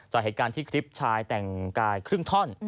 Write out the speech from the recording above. จากเหตุการณ์ที่คลิปชายแต่งกายครึ่งท่อน